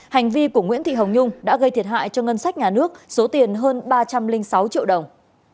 hành vi của nguyễn thị hồng nhung đã gây thiệt hại cho ngân sách nhà nước số tiền hơn ba trăm linh sáu triệu đồng